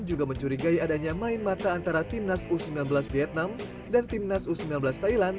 juga mencurigai adanya main mata antara timnas u sembilan belas vietnam dan timnas u sembilan belas thailand